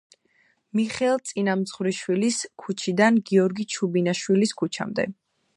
მიხეილ წინამძღვრიშვილის ქუჩიდან გიორგი ჩუბინაშვილის ქუჩამდე.